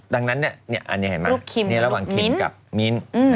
ดังนั้นอันนี้เห็นไหมระหว่างคินกับมิ้น